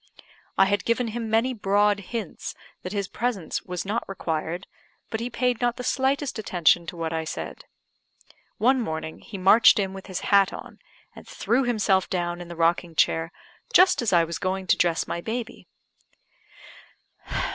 I had given him many broad hints that his presence was not required, but he paid not the slightest attention to what I said. One morning he marched in with his hat on, and threw himself down in the rocking chair, just as I was going to dress my baby.